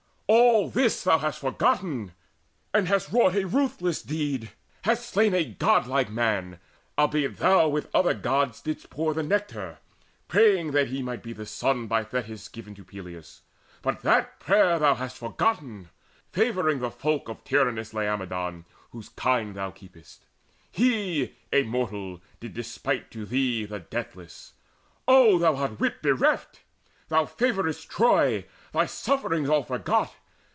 All this hast thou forgotten, and hast wrought A ruthless deed, hast slain a godlike man, Albeit thou with other Gods didst pour The nectar, praying that he might be the son By Thetis given to Peleus. But that prayer Hast thou forgotten, favouring the folk Of tyrannous Laomedon, whose kine Thou keptest. He, a mortal, did despite To thee, the deathless! O, thou art wit bereft! Thou favourest Troy, thy sufferings all forgot.